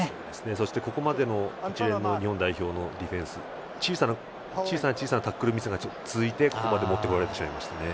そして、ここまでの一連の日本代表のディフェンスは小さなタックルミスが続いてここまで持ってこられてしまいました。